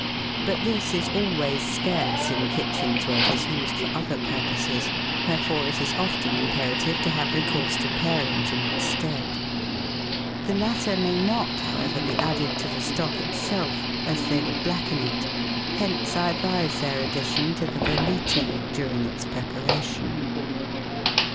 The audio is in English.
But this is always scarce in kitchens where it is used for other purposes ; wherefore it is often imperative to have recourse to parings in its stead. The latter may not, however, be added to the stock itself, as they would blacken it ; hence I advise their addition to the Veloute during its preparation.